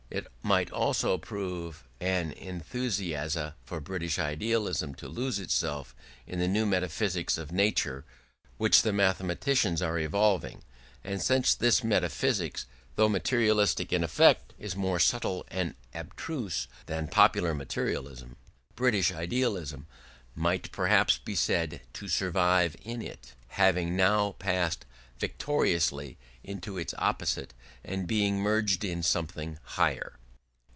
It might almost prove an euthanasia for British idealism to lose itself in the new metaphysics of nature which the mathematicians are evolving; and since this metaphysics, though materialistic in effect, is more subtle and abstruse than popular materialism, British idealism might perhaps be said to survive in it, having now passed victoriously into its opposite, and being merged in something higher.